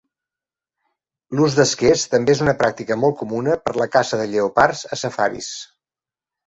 L'ús d'esquers també és una pràctica molt comuna per la caça de lleopards a safaris.